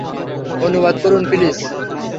অনুবাদ করুন, প্লিজ।